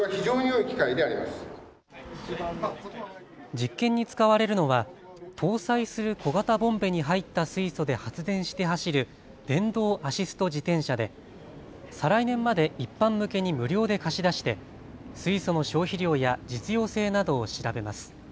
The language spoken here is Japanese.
実験に使われるのは搭載する小型ボンベに入った水素で発電して走る電動アシスト自転車で再来年まで一般向けに無料で貸し出して水素の消費量や実用性などを調べます。